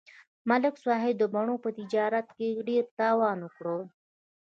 ملک صاحب د مڼو په تجارت کې ډېر تاوان وکړ